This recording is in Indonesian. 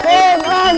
tuh teman teman